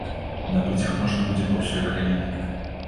Набыць іх можна будзе па ўсёй краіне.